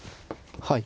はい。